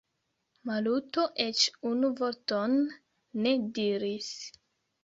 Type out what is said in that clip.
Maluto eĉ unu vorton ne diris.